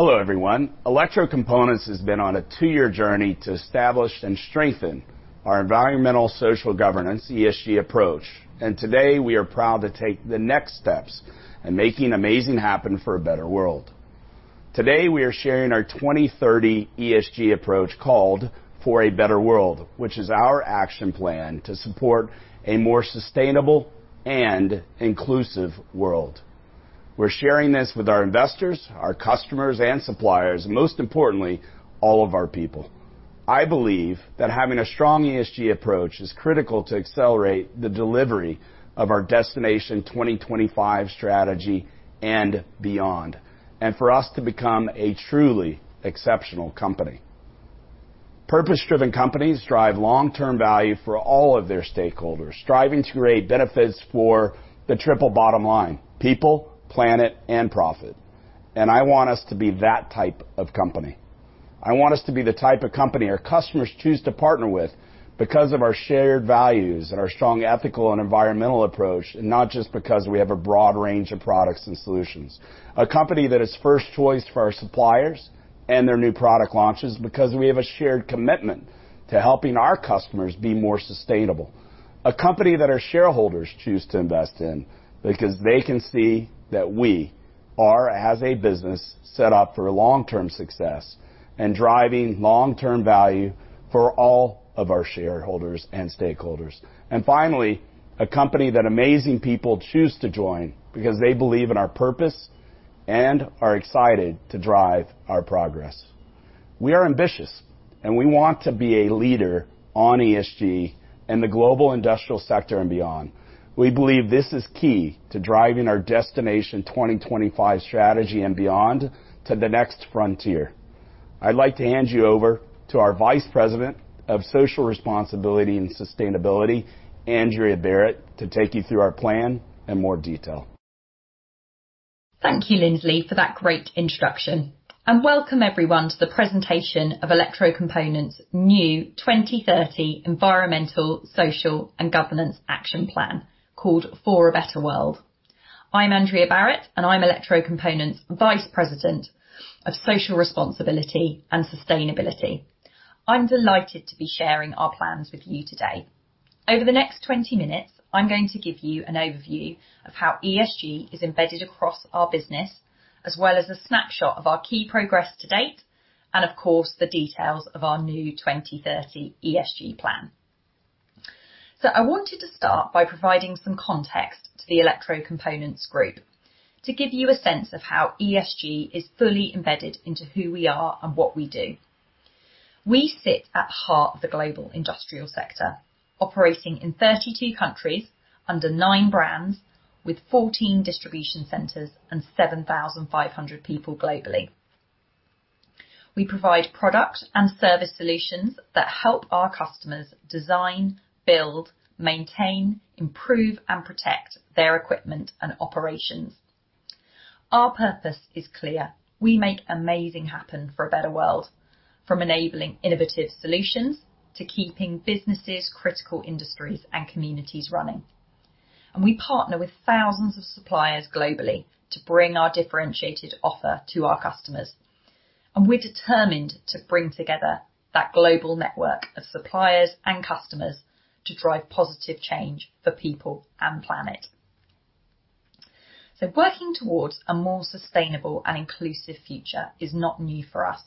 Hello, everyone. Electrocomponents has been on a two year journey to establish and strengthen our environmental social governance, ESG approach. Today, we are proud to take the next steps in making amazing happen for a better world. Today, we are sharing our 2030 ESG approach called For a Better World, which is our action plan to support a more sustainable and inclusive world. We're sharing this with our investors, our customers and suppliers, and most importantly, all of our people. I believe that having a strong ESG approach is critical to accelerate the delivery of our Destination 2025 strategy and beyond, and for us to become a truly exceptional company. Purpose-driven companies drive long-term value for all of their stakeholders, striving to create benefits for the triple bottom line, people, planet, and profit. I want us to be that type of company. I want us to be the type of company our customers choose to partner with because of our shared values and our strong ethical and environmental approach, and not just because we have a broad range of products and solutions. A company that is first choice for our suppliers and their new product launches because we have a shared commitment to helping our customers be more sustainable. A company that our shareholders choose to invest in because they can see that we are, as a business, set up for long-term success and driving long-term value for all of our shareholders and stakeholders. Finally, a company that amazing people choose to join because they believe in our purpose and are excited to drive our progress. We are ambitious, and we want to be a leader on ESG in the global industrial sector and beyond. We believe this is key to driving our Destination 2025 strategy and beyond to the next frontier. I'd like to hand you over to our Vice President of Social Responsibility and Sustainability, Andrea Barrett, to take you through our plan in more detail. Thank you, Lindsley, for that great introduction. Welcome everyone to the presentation of Electrocomponents' new 2030 environmental, social, and governance action plan, called For a Better World. I'm Andrea Barrett, and I'm Electrocomponents' Vice President of Social Responsibility and Sustainability. I'm delighted to be sharing our plans with you today. Over the next 20 minutes, I'm going to give you an overview of how ESG is embedded across our business, as well as a snapshot of our key progress to date, and of course, the details of our new 2030 ESG plan. I wanted to start by providing some context to the Electrocomponents group, to give you a sense of how ESG is fully embedded into who we are and what we do. We sit at the heart of the global industrial sector, operating in 32 countries under nine brands with 14 distribution centers and 7,500 people globally. We provide product and service solutions that help our customers design, build, maintain, improve, and protect their equipment and operations. Our purpose is clear. We make amazing happen for a better world, from enabling innovative solutions to keeping businesses, critical industries and communities running. We partner with thousands of suppliers globally to bring our differentiated offer to our customers. We're determined to bring together that global network of suppliers and customers to drive positive change for people and planet. Working towards a more sustainable and inclusive future is not new for us.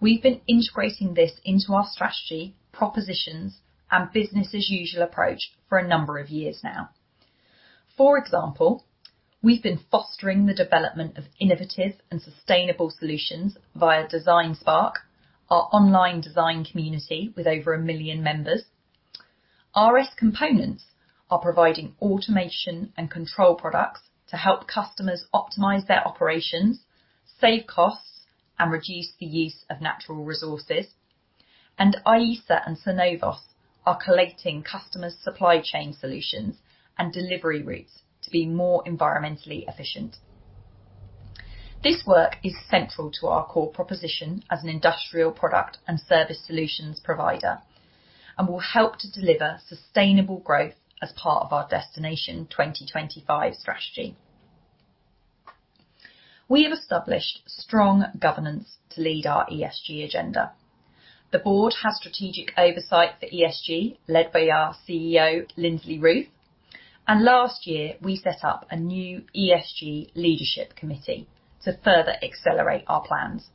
We've been integrating this into our strategy, propositions, and business as usual approach for a number of years now. For example, we've been fostering the development of innovative and sustainable solutions via DesignSpark, our online design community with over 1 million members. RS Components are providing automation and control products to help customers optimize their operations, save costs, and reduce the use of natural resources. IESA and Synovos are collating customers' supply chain solutions and delivery routes to be more environmentally efficient. This work is central to our core proposition as an industrial product and service solutions provider and will help to deliver sustainable growth as part of our Destination 2025 strategy. We have established strong governance to lead our ESG agenda. The board has strategic oversight for ESG, led by our CEO, Lindsley Ruth. Last year, we set up a new ESG leadership committee to further accelerate our plans.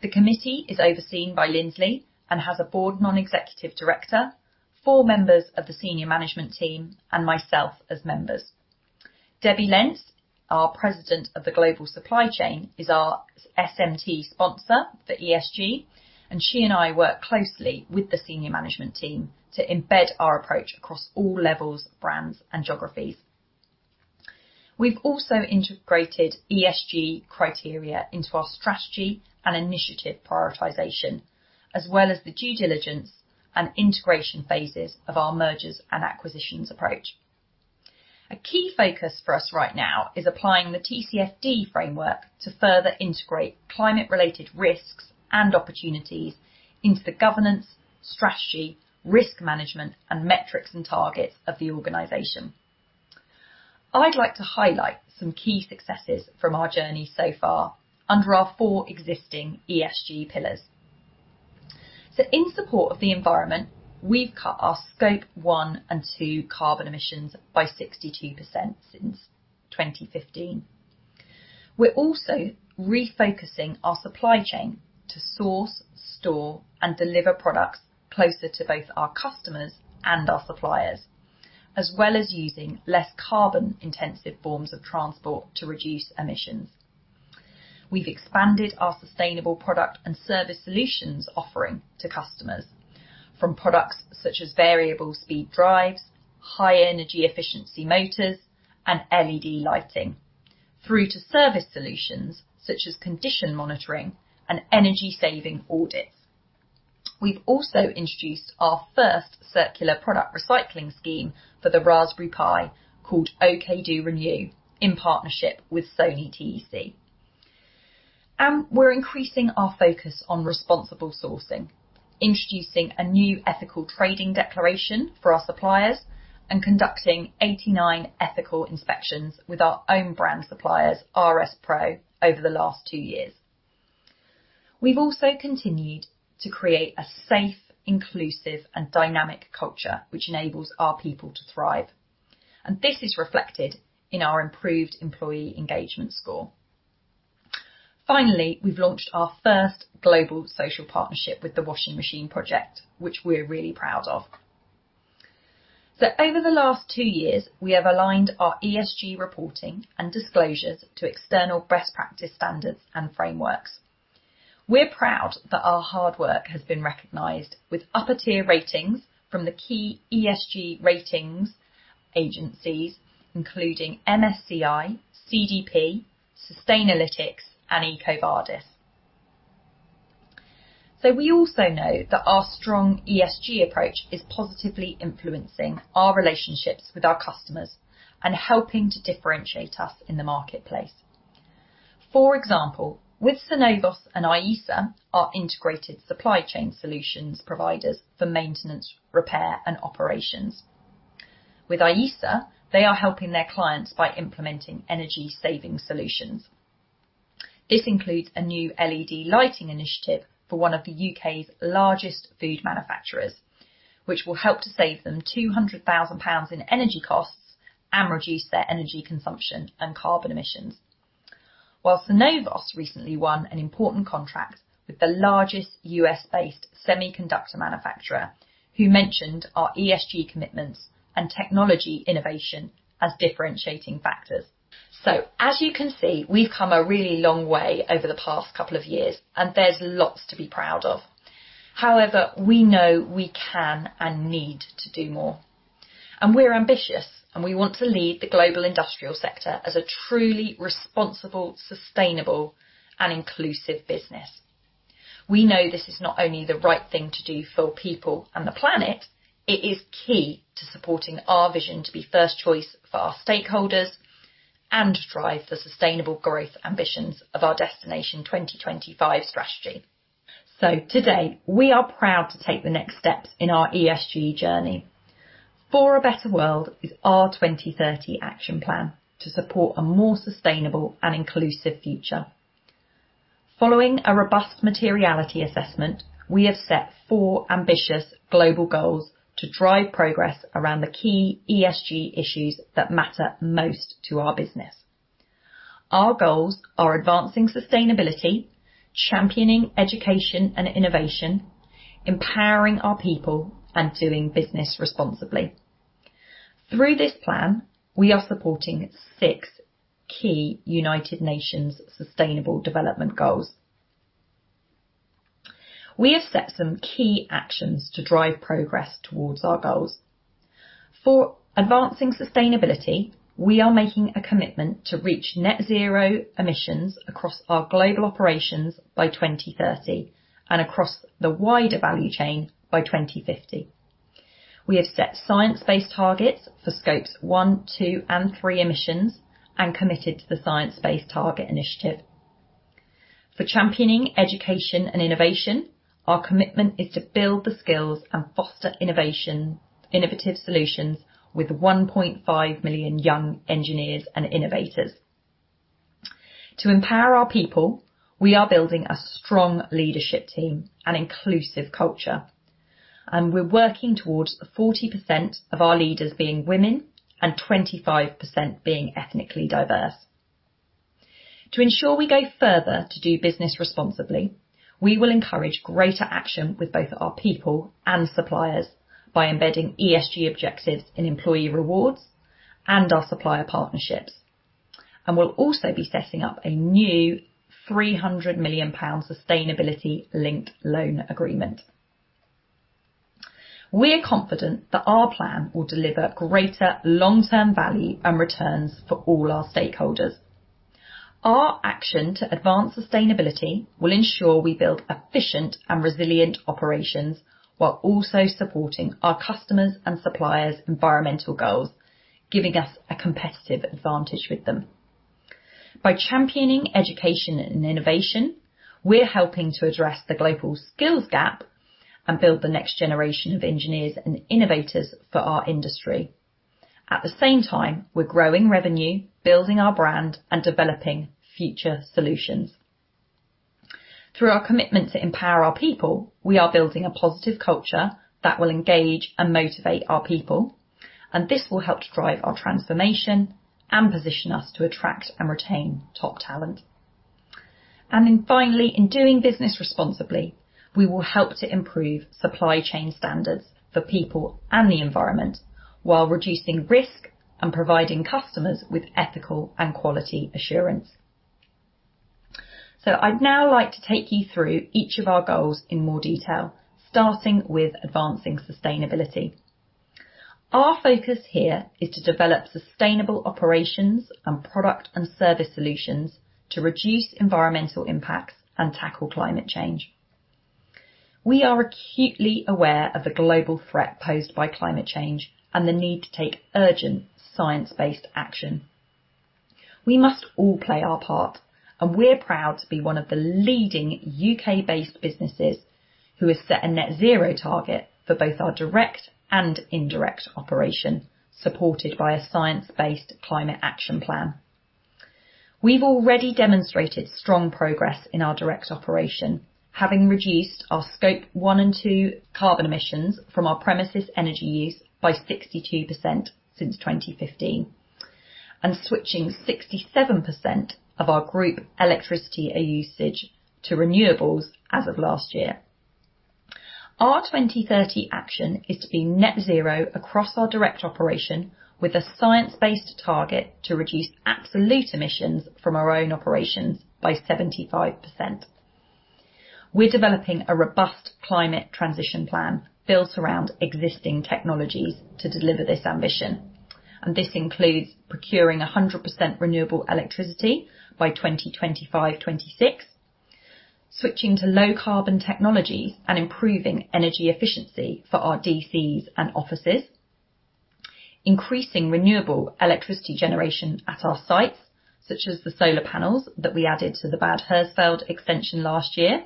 The committee is overseen by Lindsley and has a board non-executive director, four members of the senior management team, and myself as members. Debbie Lentz, our President of the Global Supply Chain, is our SMT sponsor for ESG, and she and I work closely with the senior management team to embed our approach across all levels, brands, and geographies. We've also integrated ESG criteria into our strategy and initiative prioritization, as well as the due diligence and integration phases of our mergers and acquisitions approach. A key focus for us right now is applying the TCFD framework to further integrate climate-related risks and opportunities into the governance, strategy, risk management, and metrics and targets of the organization. I'd like to highlight some key successes from our journey so far under our four existing ESG pillars. In support of the environment, we've cut our Scope 1 and 2 carbon emissions by 62% since 2015. We're also refocusing our supply chain to source, store, and deliver products closer to both our customers and our suppliers, as well as using less carbon-intensive forms of transport to reduce emissions. We've expanded our sustainable product and service solutions offering to customers from products such as variable speed drives, high energy efficiency motors, and LED lighting through to service solutions such as condition monitoring and energy saving audits. We've also introduced our first circular product recycling scheme for the Raspberry Pi called OKdo Renew in partnership with Sony Technology Centre. We're increasing our focus on responsible sourcing, introducing a new ethical trading declaration for our suppliers and conducting 89 ethical inspections with our own brand suppliers, RS PRO, over the last two years. We've also continued to create a safe, inclusive, and dynamic culture which enables our people to thrive, and this is reflected in our improved employee engagement score. Finally, we've launched our first global social partnership with The Washing Machine Project, which we're really proud of. Over the last two years, we have aligned our ESG reporting and disclosures to external best practice standards and frameworks. We're proud that our hard work has been recognized with upper-tier ratings from the key ESG ratings agencies, including MSCI, CDP, Sustainalytics, and EcoVadis. We also know that our strong ESG approach is positively influencing our relationships with our customers and helping to differentiate us in the marketplace. For example, with Cenovus and IESA, our integrated supply chain solutions providers for maintenance, repair, and operations. With IESA, they are helping their clients by implementing energy saving solutions. This includes a new LED lighting initiative for one of the U.K.'s largest food manufacturers, which will help to save them 200,000 pounds in energy costs and reduce their energy consumption and carbon emissions. While Synovos recently won an important contract with the largest U.S.-based semiconductor manufacturer who mentioned our ESG commitments and technology innovation as differentiating factors. As you can see, we've come a really long way over the past couple of years, and there's lots to be proud of. However, we know we can and need to do more. We're ambitious, and we want to lead the global industrial sector as a truly responsible, sustainable, and inclusive business. We know this is not only the right thing to do for people and the planet, it is key to supporting our vision to be first choice for our stakeholders and drive the sustainable growth ambitions of our Destination 2025 strategy. Today, we are proud to take the next steps in our ESG journey. For a Better World is our 2030 action plan to support a more sustainable and inclusive future. Following a robust materiality assessment, we have set four ambitious global goals to drive progress around the key ESG issues that matter most to our business. Our goals are advancing sustainability, championing education and innovation, empowering our people, and doing business responsibly. Through this plan, we are supporting six key United Nations Sustainable Development Goals. We have set some key actions to drive progress towards our goals. For advancing sustainability, we are making a commitment to reach net zero emissions across our global operations by 2030 and across the wider value chain by 2050. We have set science-based targets for Scope 1, 2, and 3 emissions and committed to the Science Based Targets initiative. For championing education and innovation, our commitment is to build the skills and foster innovation, innovative solutions with 1.5 million young engineers and innovators. To empower our people, we are building a strong leadership team and inclusive culture, and we're working towards 40% of our leaders being women and 25% being ethnically diverse. To ensure we go further to do business responsibly, we will encourage greater action with both our people and suppliers by embedding ESG objectives in employee rewards and our supplier partnerships. We'll also be setting up a new 300 million pounds sustainability-linked loan agreement. We are confident that our plan will deliver greater long-term value and returns for all our stakeholders. Our action to advance sustainability will ensure we build efficient and resilient operations while also supporting our customers' and suppliers' environmental goals, giving us a competitive advantage with them. By championing education and innovation, we're helping to address the global skills gap and build the next generation of engineers and innovators for our industry. At the same time, we're growing revenue, building our brand, and developing future solutions. Through our commitment to empower our people, we are building a positive culture that will engage and motivate our people, and this will help to drive our transformation and position us to attract and retain top talent. Finally, in doing business responsibly, we will help to improve supply chain standards for people and the environment while reducing risk and providing customers with ethical and quality assurance. I'd now like to take you through each of our goals in more detail, starting with advancing sustainability. Our focus here is to develop sustainable operations and product and service solutions to reduce environmental impacts and tackle climate change. We are acutely aware of the global threat posed by climate change and the need to take urgent science-based action. We must all play our part, and we're proud to be one of the leading U.K.-based businesses who has set a net zero target for both our direct and indirect operation, supported by a science-based climate action plan. We've already demonstrated strong progress in our direct operation, having reduced our Scope 1 and 2 carbon emissions from our premises energy use by 62% since 2015, and switching 67% of our group electricity usage to renewables as of last year. Our 2030 action is to be net zero across our direct operation with a science-based target to reduce absolute emissions from our own operations by 75%. We're developing a robust climate transition plan built around existing technologies to deliver this ambition, and this includes procuring 100% renewable electricity by 2025-26, switching to low carbon technologies and improving energy efficiency for our DCs and offices, increasing renewable electricity generation at our sites, such as the solar panels that we added to the Bad Hersfeld expansion last year.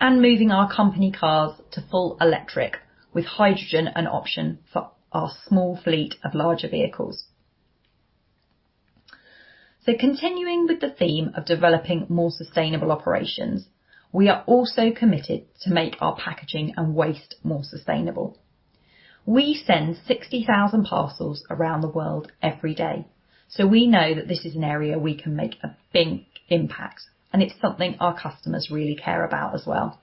Moving our company cars to full electric with hydrogen an option for our small fleet of larger vehicles. Continuing with the theme of developing more sustainable operations, we are also committed to make our packaging and waste more sustainable. We send 60,000 parcels around the world every day, so we know that this is an area we can make a big impact, and it's something our customers really care about as well.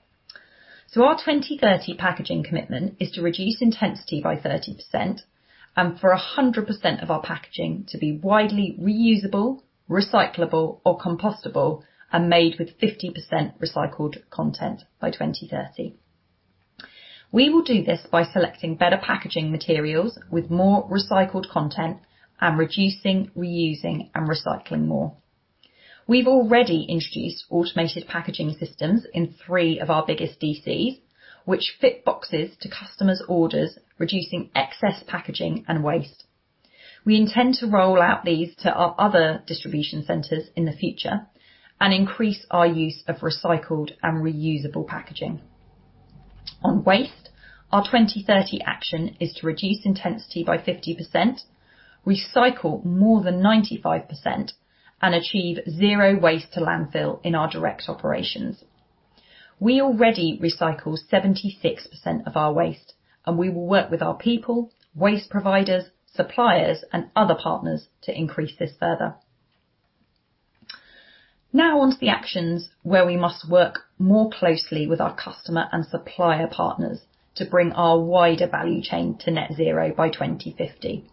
Our 2030 packaging commitment is to reduce intensity by 30% and for 100% of our packaging to be widely reusable, recyclable or compostable and made with 50% recycled content by 2030. We will do this by selecting better packaging materials with more recycled content and reducing, reusing, and recycling more. We've already introduced automated packaging systems in three of our biggest DCs, which fit boxes to customers' orders, reducing excess packaging and waste. We intend to roll out these to our other distribution centers in the future and increase our use of recycled and reusable packaging. On waste, our 2030 action is to reduce intensity by 50%, recycle more than 95%, and achieve zero waste to landfill in our direct operations. We already recycle 76% of our waste, and we will work with our people, waste providers, suppliers, and other partners to increase this further. Now on to the actions where we must work more closely with our customer and supplier partners to bring our wider value chain to net zero by 2050.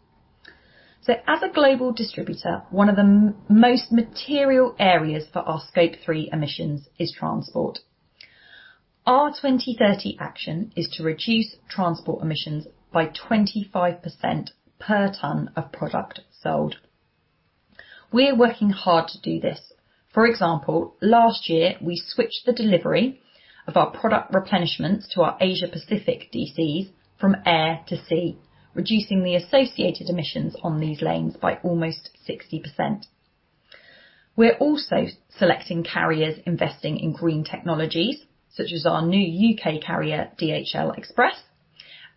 As a global distributor, one of the most material areas for our Scope 3 emissions is transport. Our 2030 action is to reduce transport emissions by 25% per ton of product sold. We are working hard to do this. For example, last year we switched the delivery of our product replenishments to our Asia Pacific DCs from air to sea, reducing the associated emissions on these lanes by almost 60%. We're also selecting carriers investing in green technologies such as our new U.K. carrier, DHL Express,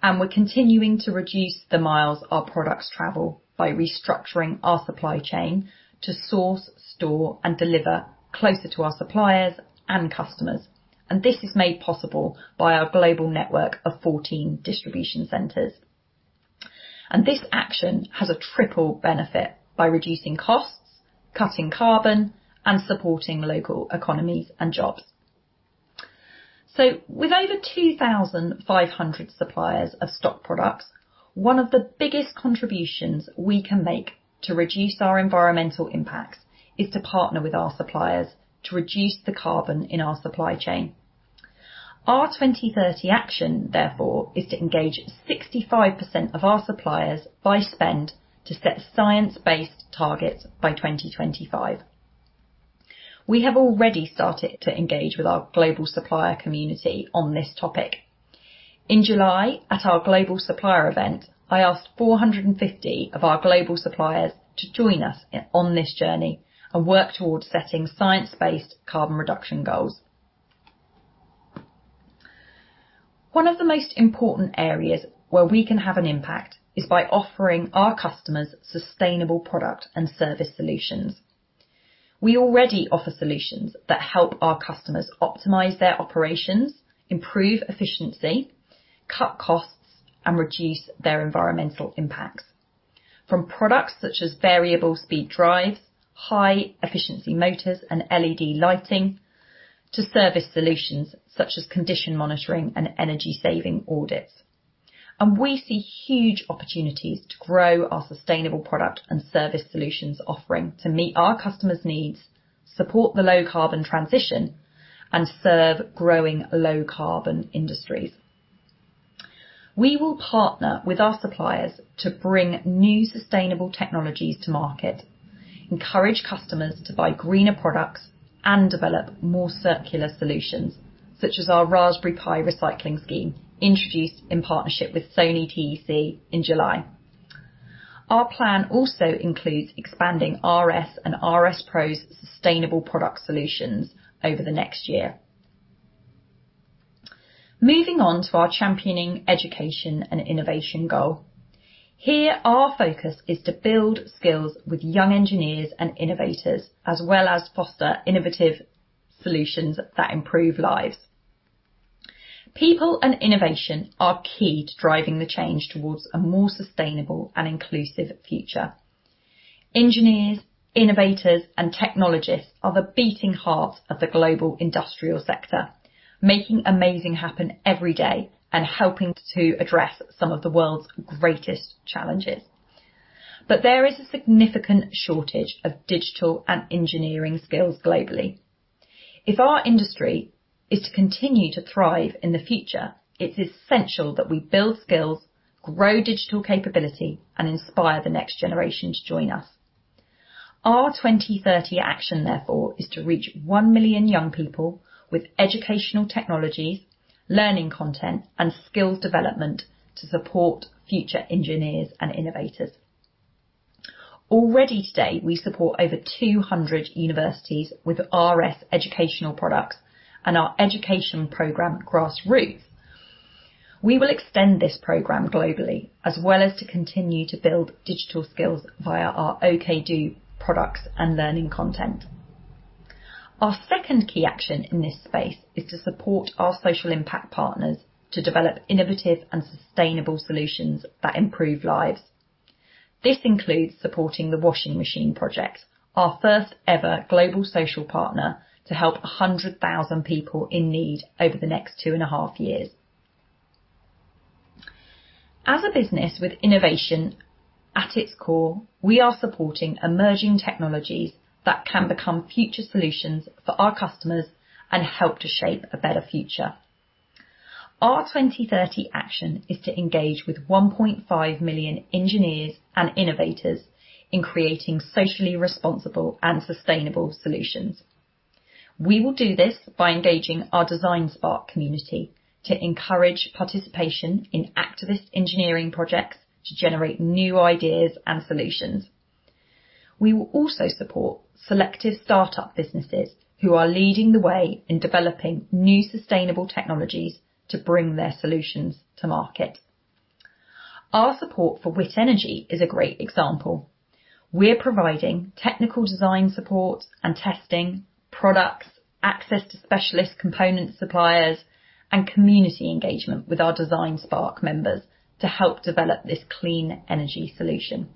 and we're continuing to reduce the miles our products travel by restructuring our supply chain to source, store, and deliver closer to our suppliers and customers. This is made possible by our global network of 14 distribution centers. This action has a triple benefit by reducing costs, cutting carbon, and supporting local economies and jobs. With over 2,500 suppliers of stock products, one of the biggest contributions we can make to reduce our environmental impacts is to partner with our suppliers to reduce the carbon in our supply chain. Our 2030 action, therefore, is to engage 65% of our suppliers by spend to set science-based targets by 2025. We have already started to engage with our global supplier community on this topic. In July, at our global supplier event, I asked 450 of our global suppliers to join us on this journey and work towards setting science-based carbon reduction goals. One of the most important areas where we can have an impact is by offering our customers sustainable product and service solutions. We already offer solutions that help our customers optimize their operations, improve efficiency, cut costs, and reduce their environmental impacts. From products such as variable speed drives, high efficiency motors and LED lighting to service solutions such as condition monitoring and energy saving audits. We see huge opportunities to grow our sustainable product and service solutions offering to meet our customers' needs, support the low carbon transition, and serve growing low carbon industries. We will partner with our suppliers to bring new sustainable technologies to market, encourage customers to buy greener products, and develop more circular solutions, such as our Raspberry Pi recycling scheme, introduced in partnership with Sony Technology Centre in July. Our plan also includes expanding RS and RS PRO's sustainable product solutions over the next year. Moving on to our championing education and innovation goal. Here, our focus is to build skills with young engineers and innovators, as well as foster innovative solutions that improve lives. People and innovation are key to driving the change towards a more sustainable and inclusive future. Engineers, innovators, and technologists are the beating heart of the global industrial sector, making amazing happen every day and helping to address some of the world's greatest challenges. There is a significant shortage of digital and engineering skills globally. If our industry is to continue to thrive in the future, it's essential that we build skills, grow digital capability, and inspire the next generation to join us. Our 2030 action, therefore, is to reach 1 million young people with educational technologies, learning content, and skills development to support future engineers and innovators. Already today, we support over 200 universities with RS educational products and our education program Grass Roots. We will extend this program globally, as well as to continue to build digital skills via our OKdo products and learning content. Our second key action in this space is to support our social impact partners to develop innovative and sustainable solutions that improve lives. This includes supporting The Washing Machine Project, our first ever global social partner, to help 100,000 people in need over the next 2.5 years. As a business with innovation at its core, we are supporting emerging technologies that can become future solutions for our customers and help to shape a better future. Our 2030 action is to engage with 1.5 million engineers and innovators in creating socially responsible and sustainable solutions. We will do this by engaging our DesignSpark community to encourage participation in activist engineering projects to generate new ideas and solutions. We will also support selective startup businesses who are leading the way in developing new sustainable technologies to bring their solutions to market. Our support for WITT Energy is a great example. We're providing technical design support and testing products, access to specialist component suppliers, and community engagement with our DesignSpark members to help develop this clean energy solution.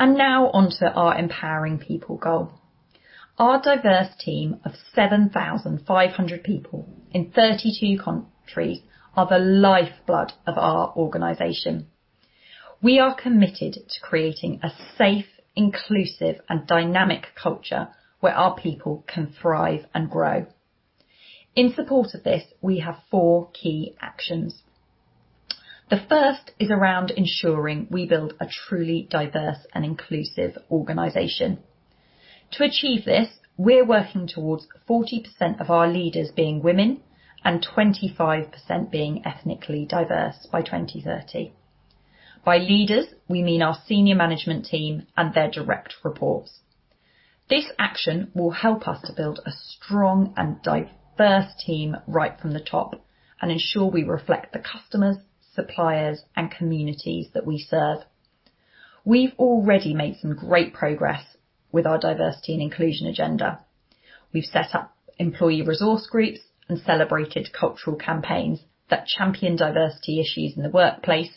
Now on to our empowering people goal. Our diverse team of 7,500 people in 32 countries are the lifeblood of our organization. We are committed to creating a safe, inclusive and dynamic culture where our people can thrive and grow. In support of this, we have four key actions. The first is around ensuring we build a truly diverse and inclusive organization. To achieve this, we're working towards 40% of our leaders being women and 25% being ethnically diverse by 2030. By leaders, we mean our senior management team and their direct reports. This action will help us to build a strong and diverse team right from the top and ensure we reflect the customers, suppliers, and communities that we serve. We've already made some great progress with our diversity and inclusion agenda. We've set up employee resource groups and celebrated cultural campaigns that champion diversity issues in the workplace,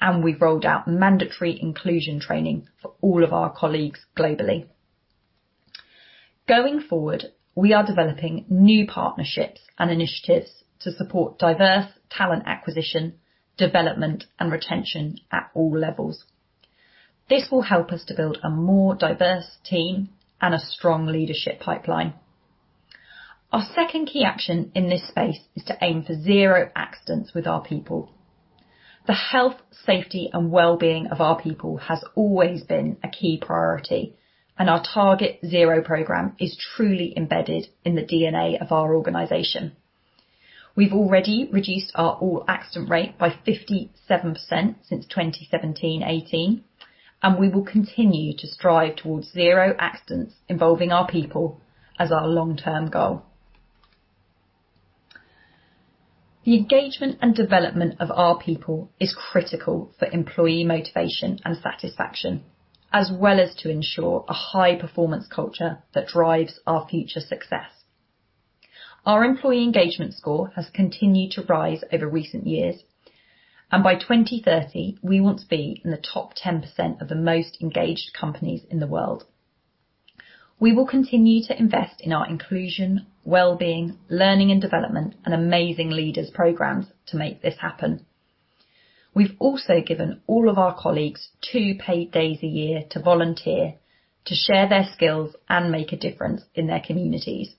and we've rolled out mandatory inclusion training for all of our colleagues globally. Going forward, we are developing new partnerships and initiatives to support diverse talent acquisition, development, and retention at all levels. This will help us to build a more diverse team and a strong leadership pipeline. Our second key action in this space is to aim for zero accidents with our people. The health, safety, and well-being of our people has always been a key priority, and our Target Zero program is truly embedded in the DNA of our organization. We've already reduced our overall accident rate by 57% since 2017-2018, and we will continue to strive towards zero accidents involving our people as our long-term goal. The engagement and development of our people is critical for employee motivation and satisfaction, as well as to ensure a high performance culture that drives our future success. Our employee engagement score has continued to rise over recent years, and by 2030 we want to be in the top 10% of the most engaged companies in the world. We will continue to invest in our inclusion, well-being, learning and development, and amazing leaders programs to make this happen. We've also given all of our colleagues two paid days a year to volunteer, to share their skills and make a difference in their communities.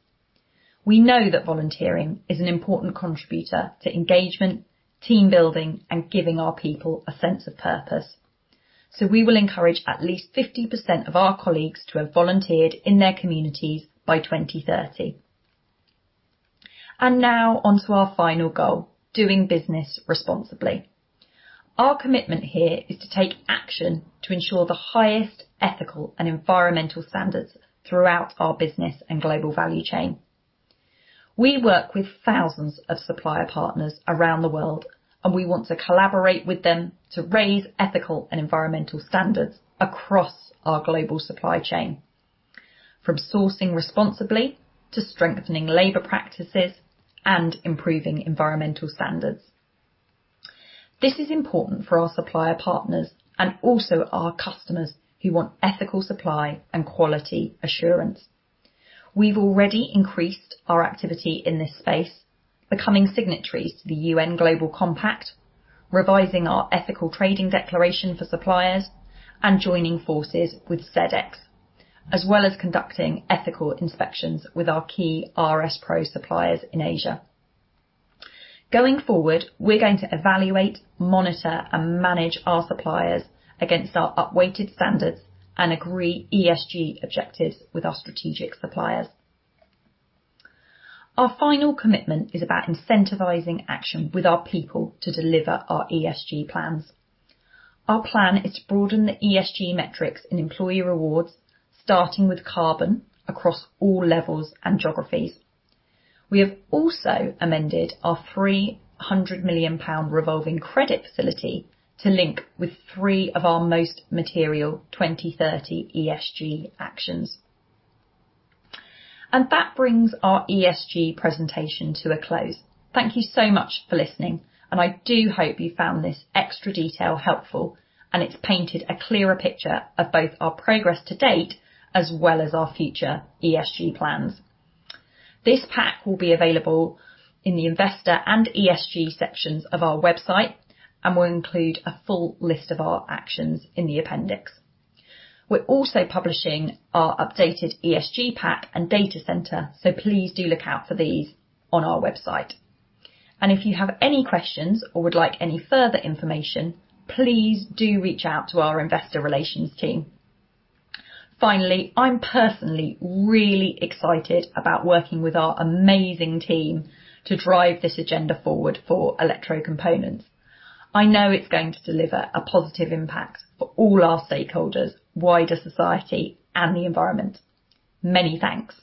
We know that volunteering is an important contributor to engagement, team building, and giving our people a sense of purpose. We will encourage at least 50% of our colleagues to have volunteered in their communities by 2030. Now on to our final goal, doing business responsibly. Our commitment here is to take action to ensure the highest ethical and environmental standards throughout our business and global value chain. We work with thousands of supplier partners around the world, and we want to collaborate with them to raise ethical and environmental standards across our global supply chain, from sourcing responsibly to strengthening labor practices and improving environmental standards. This is important for our supplier partners and also our customers who want ethical supply and quality assurance. We've already increased our activity in this space, becoming signatories to the UN Global Compact, revising our ethical trading declaration for suppliers, and joining forces with Sedex, as well as conducting ethical inspections with our key RS PRO suppliers in Asia. Going forward, we're going to evaluate, monitor, and manage our suppliers against our upweighted standards and agree ESG objectives with our strategic suppliers. Our final commitment is about incentivizing action with our people to deliver our ESG plans. Our plan is to broaden the ESG metrics in employee rewards, starting with carbon across all levels and geographies. We have also amended our 300 million pound revolving credit facility to link with three of our most material 2030 ESG actions. That brings our ESG presentation to a close. Thank you so much for listening, and I do hope you found this extra detail helpful, and it's painted a clearer picture of both our progress to date as well as our future ESG plans. This pack will be available in the Investor and ESG sections of our website and will include a full list of our actions in the appendix. We're also publishing our updated ESG pack and data center, so please do look out for these on our website. If you have any questions or would like any further information, please do reach out to our investor relations team. Finally, I'm personally really excited about working with our amazing team to drive this agenda forward for Electrocomponents. I know it's going to deliver a positive impact for all our stakeholders, wider society, and the environment. Many thanks.